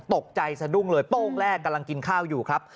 สะดุ้งเลยโป้งแรกกำลังกินข้าวอยู่ครับ